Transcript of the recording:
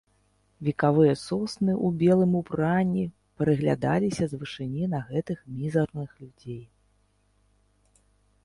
Векавыя сосны ў белым убранні прыглядаліся з вышыні на гэтых мізэрных людзей.